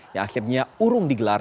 yang akhirnya urung digelar